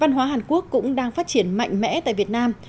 văn hóa hàn quốc cũng đang phát triển mạnh mẽ tại việt nam